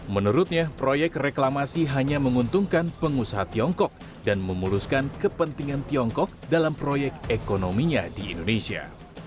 menurutnya proyek reklamasi hanya menguntungkan pengusaha tiongkok dan memuluskan kepentingan tiongkok dalam proyek ekonominya di indonesia